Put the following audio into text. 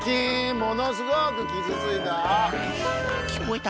ものすごくきずついた！